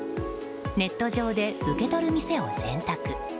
ネット上で受け取る店を選択。